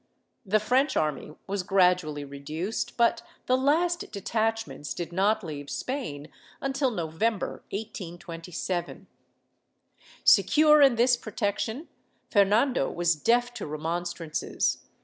The French army was gradually reduced, but the last detachments did not leave Spain until November, 1827. Secure in this protection, Fernando was deaf to remonstrances.